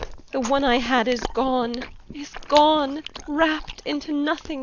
The one I had, is gone, is gone. Rapt into nothingness. CH.